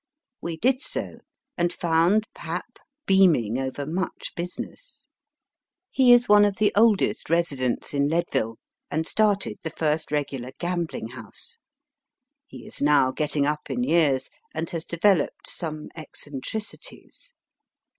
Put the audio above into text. We did so, and found Pap beaming over much business. He is one of the oldest residents in LeadviUe, and started the first regular gambling house. He is now getting up in years, and has developed some eccentricities.